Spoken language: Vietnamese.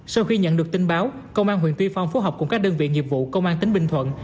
sau khi nhận được tin báo công an huyện tuy phong phối hợp cùng các đơn vị nghiệp vụ công an tỉnh bình thuận